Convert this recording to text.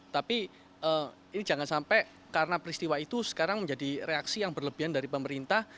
tapi ini jangan sampai karena peristiwa itu sekarang menjadi reaksi yang berlebihan dari pemerintah